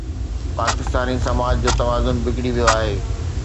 پاڪستاني سماج جو توازن بگڙي ويو آهي.